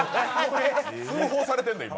通報されてんねん、今。